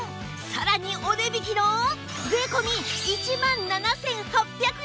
さらにお値引きの税込１万７８００円です